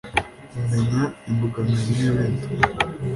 kumenya imbogamizi n’ibindi